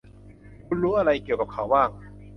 คุณรู้อะไรเกี่ยวกับเขาบ้าง